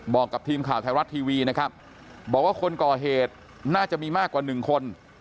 บอกกับทีมข่าวไทยรัฐทีวีนะครับบอกว่าคนก่อเหตุน่าจะมีมากกว่าหนึ่งคน